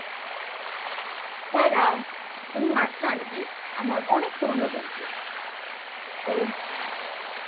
Sarah, ইনি Martha aunty, আমার অনেক পুরানো বন্ধু - ওহ!